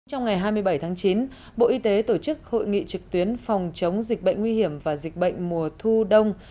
trong ngày hai mươi bảy tháng chín bộ y tế tổ chức hội nghị trực tuyến phòng chống dịch bệnh nguy hiểm và dịch bệnh mùa thu đông